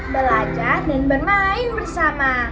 belajar dan bermain bersama